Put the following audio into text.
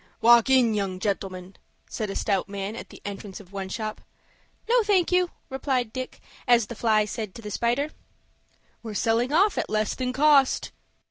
"Walk in, young gentlemen," said a stout man, at the entrance of one shop. "No, I thank you," replied Dick, "as the fly said to the spider." "We're selling off at less than cost."